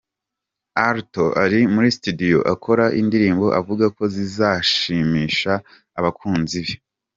Alto ari muri studio akora indirimbo avuga ko zizashimisha abakunzi be.